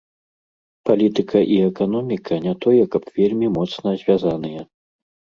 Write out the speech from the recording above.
Палітыка і эканоміка не тое каб вельмі моцна звязаныя.